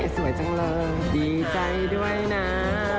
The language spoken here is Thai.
สวยจังเลยดีใจด้วยนะ